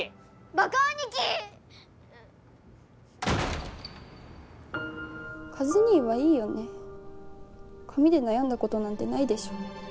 バカ兄貴！和兄はいいよね髪で悩んだことなんてないでしょ！